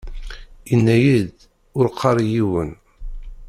Yenna-iyi-d: Ur qqar i yiwen.